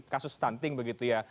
kasus stunting begitu ya